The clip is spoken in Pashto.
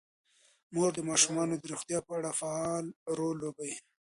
مور د ماشومانو د روغتیا په اړه فعال رول لوبوي.